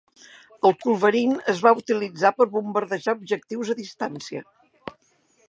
El culverin es va utilitzar per bombardejar objectius a distància.